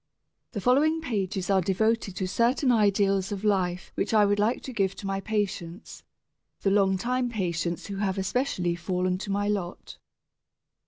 The following pages are devoted to certain ideals of life which I would like to give to my patients, the long time patients who have especially fallen to my lot.